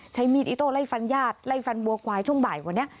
ใช้มีดอิโต้ไล่ฟันญาติไล่ฟันบัวควายช่วงบ่ายวันนี้